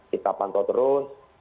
kita pantau terus